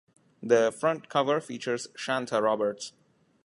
The front cover features Shantha Roberts.